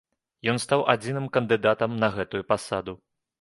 Ён стаў адзіным кандыдатам на гэтую пасаду.